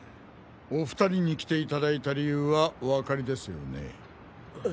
お２人に来ていただいた理由はお分かりですよね？